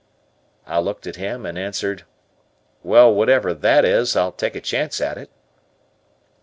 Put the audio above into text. I looked at him and answered, "Well, whatever that is, I'll take a chance at it."